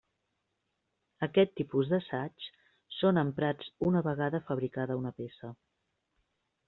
Aquest tipus d'assaigs són emprats una vegada fabricada una peça.